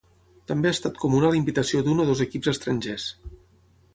També ha estat comuna la invitació d'un o dos equips estrangers.